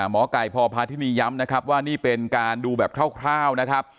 หมอไก่พพาธินีย้ำนะครับว่านี่เป็นการดูแบบคร่าวนะครับ